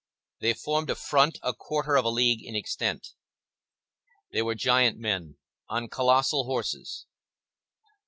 They formed a front a quarter of a league in extent. They were giant men, on colossal horses.